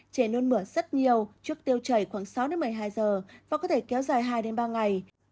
chè nôn mửa rất nhiều trước tiêu chảy khoảng sáu một mươi hai giờ và có thể kéo dài hai ba ngày